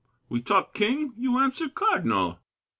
We talk King, you answer Cardinal!